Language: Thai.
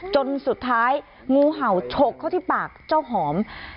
จนสุดท้ายงูเห่าฉกเข้าที่ปากเจ้าหอม